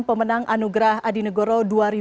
pemenang anugerah adi nugoro dua ribu dua puluh dua